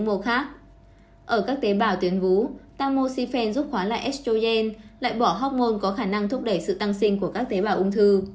ở các tế bào tuyến vú tamoxifen giúp khóa lại estrogen lại bỏ học môn có khả năng thúc đẩy sự tăng sinh của các tế bào ung thư